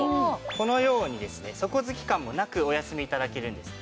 このようにですね底付き感もなくお休み頂けるんです。